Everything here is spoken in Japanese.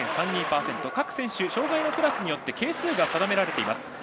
各選手、障がいのクラスによって係数が定められています。